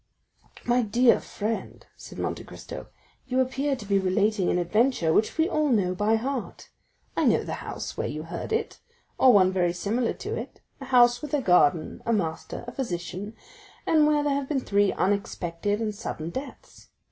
"My dear friend," said Monte Cristo, "you appear to be relating an adventure which we all know by heart. I know the house where you heard it, or one very similar to it; a house with a garden, a master, a physician, and where there have been three unexpected and sudden deaths.